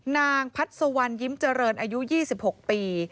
นางพัดสวรรณยิ้มเจริญอายุ๒๖ปี